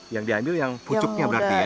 yang diambil yang pucuknya berarti ya